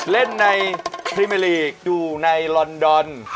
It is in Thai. เล่นในพรีเมอร์ลีกอยู่ในลอนดอน